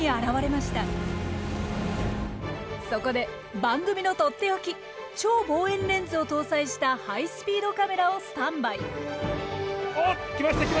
そこで番組のとっておき超望遠レンズを搭載したハイスピードカメラをスタンバイ。